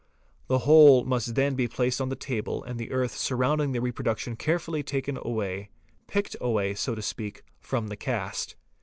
The whole must then be placed on the table and the earth | surrounding the reproduction carefully taken away, picked away, so to — speak, from the cast.